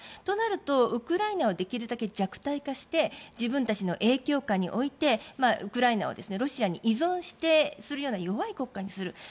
となると、ウクライナをできるだけ弱体化して自分たちの影響下に置いてウクライナをロシアに依存するような弱い国家にする。